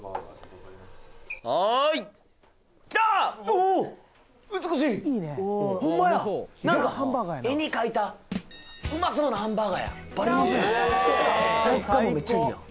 おおホンマや何か絵に描いたうまそうなハンバーガーやばりうまそうやんサイズ感もめっちゃいいやん